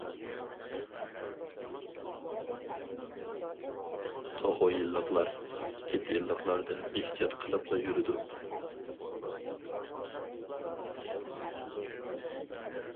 توخۇ يىللىقلار ئىت يىللىقلاردىن ئېھتىيات قىلىپلا يۈرىدۇ.